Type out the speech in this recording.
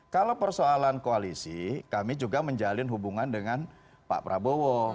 kalau persoalan koalisi kami juga menjalin hubungan dengan pak prabowo